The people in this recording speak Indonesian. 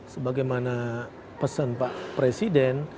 sebagaimana pesan pak presiden